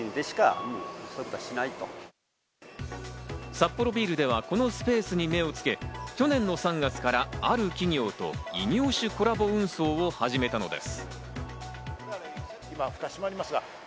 サッポロビールではこのスペースに目をつけ、去年の３月からある企業と異業種コラボ運送を始めたのです。